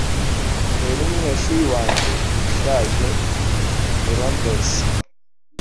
Nahuye numunyeshuri wanjye ushaje i Londres.